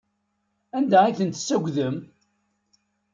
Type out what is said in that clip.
Anda ay ten-tessagdem?